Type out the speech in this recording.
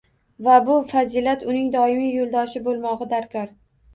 Va bu fazilat uning doimiy yoʻldoshi boʻlmogʻi darkor